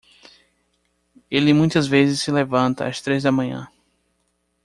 Ele muitas vezes se levanta às três da manhã